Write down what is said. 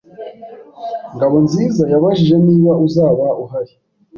Ngabonziza yabajije niba uzaba uhari.